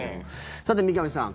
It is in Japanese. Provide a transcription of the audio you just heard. さて、三上さん